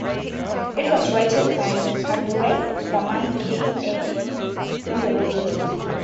It was written by Pandurang Vaman Kane, an Indologist.